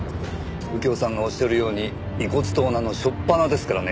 右京さんがおっしゃるように遺骨盗難の初っぱなですからね。